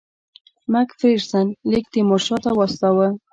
مک فیرسن لیک تیمورشاه ته واستاوه.